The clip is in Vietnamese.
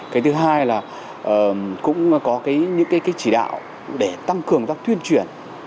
cái thứ hai là cũng có những cái chỉ đạo để tăng cường các tuyên truyền